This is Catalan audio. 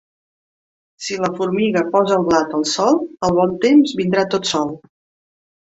Si la formiga posa el blat al sol, el bon temps vindrà tot sol.